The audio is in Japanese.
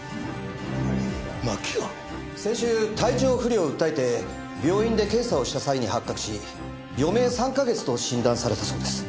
先週体調不良を訴えて病院で検査をした際に発覚し余命３カ月と診断されたそうです。